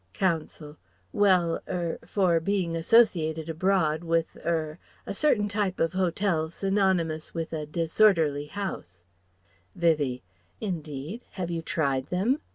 Counsel: "Well er for being associated abroad with er a certain type of hotel synonymous with a disorderly house " Vivie: "Indeed? Have you tried them?